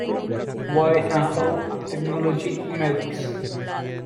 Why and How Technology Matters.